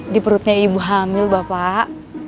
di perutnya ibu hamil bapak